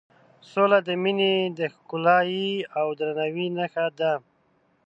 سوله د مینې د ښکلایې او درناوي نښه ده.